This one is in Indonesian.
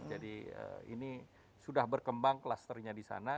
jadi ini sudah berkembang clusternya di sana